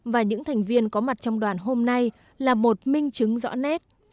và những thành viên có mặt trong đoàn hôm nay là một minh chứng rõ nét